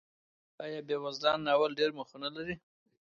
آیا بېوزلان ناول ډېر مخونه لري؟